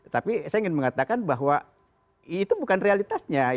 tapi saya ingin mengatakan bahwa itu bukan realitasnya